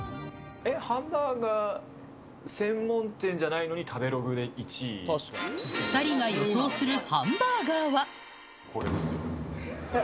ハンバーガー専門店じゃない２人が予想するハンバーガーこれですよ。